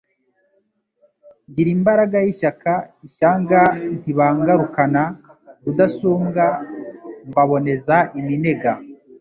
Ngira imbaraga y'ishyaka, ishyanga ntibangarukana, Rudasumbwa mbaboneza iminega.